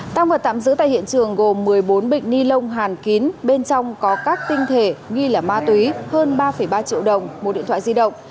tăng vật tạm giữ tại hiện trường gồm một mươi bốn bịch ni lông hàn kín bên trong có các tinh thể nghi là ma túy hơn ba ba triệu đồng một điện thoại di động